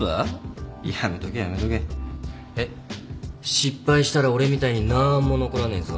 失敗したら俺みたいになーんも残らねえぞ。